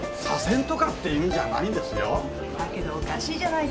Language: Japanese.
だけどおかしいじゃないですかこの時期に。